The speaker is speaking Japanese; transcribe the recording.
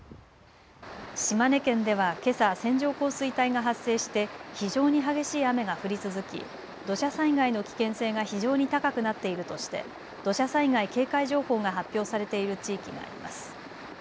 島根県ではけさ線状降水帯が発生して非常に激しい雨が降り続き土砂災害の危険性が非常に高くなっているとして土砂災害警戒情報が発表されている地域があります。